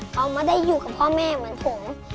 เขาไม่ได้อยู่กับพ่อแม่เหมือนผม